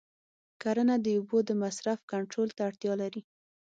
کرنه د اوبو د مصرف کنټرول ته اړتیا لري.